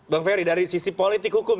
bang ferry dari sisi politik hukum